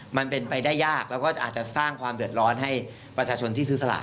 มันเป็นไปได้ยากแล้วก็อาจจะสร้างความเดือดร้อนให้ประชาชนที่ซื้อสลาก